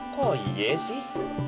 kok iya sih